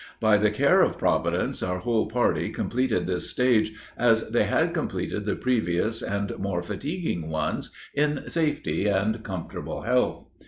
By the care of Providence, our whole party completed this stage, as they had completed the previous and more fatiguing ones, in safety and comfortable health.